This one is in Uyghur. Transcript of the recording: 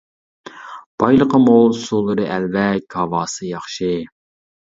بايلىقى مول، سۇلىرى ئەلۋەك، ھاۋاسى ياخشى.